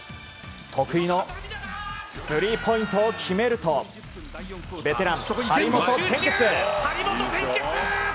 得意のスリーポイントを決めるとベテラン張本天傑。